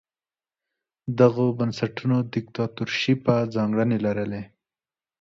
دغو بنسټونو دیکتاتورشیپه ځانګړنې لرلې.